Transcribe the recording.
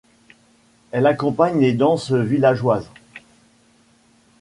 Elle accompagne les danses villageoises.